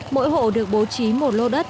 mỗi hộ được bố trí một lô đất